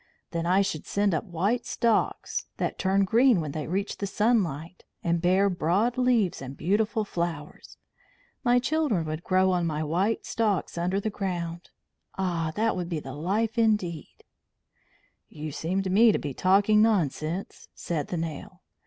Then I should send up white stalks that turn green when they reach the sunlight, and bear broad leaves and beautiful flowers. My children would grow on my white, stalks under the ground. Ah! that would be life indeed!" "You seem to me to be talking nonsense," said the nail.